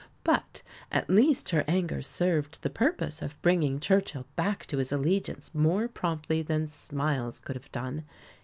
But at least her anger served the purpose of bringing Churchill back to his allegiance more promptly than smiles could have done.